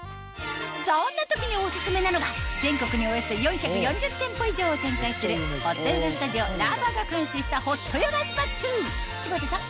そんな時にオススメなのが全国におよそ４４０店舗以上を展開するホットヨガスタジオＬＡＶＡが監修したホットヨガスパッツ柴田さん